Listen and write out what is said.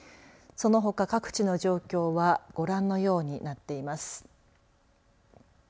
そのほか各地の状況はご覧のようになっています。